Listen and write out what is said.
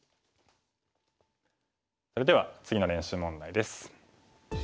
それでは次の練習問題です。